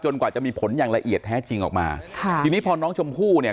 กว่าจะมีผลอย่างละเอียดแท้จริงออกมาค่ะทีนี้พอน้องชมพู่เนี่ย